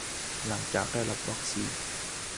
หลังจากได้รับวัคซีน